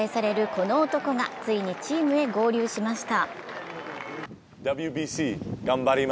この男が、ついにチームに合流しました。